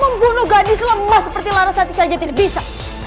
membunuh gadis lemah seperti larasati saja tidak bisa